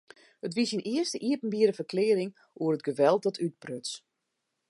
It wie syn earste iepenbiere ferklearring oer it geweld dat útbruts.